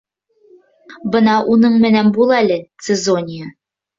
Бына Уның менән бул әле, Цезония.